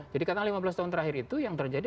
jadi katanya lima belas tahun terakhir itu yang terjadi